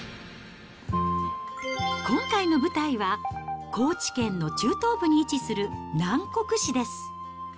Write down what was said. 今回の舞台は高知県の中東部に位置する南国市です。